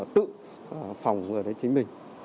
tự phòng chính mình